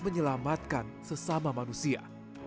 menyelamatkan sesama manusia